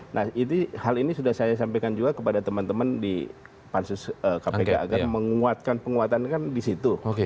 nah hal ini sudah saya sampaikan juga kepada teman teman di pansus kpk agar menguatkan penguatan kan di situ